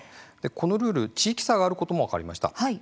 このルール地域差があることも分かりました。